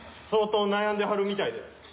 相当悩んではるみたいです。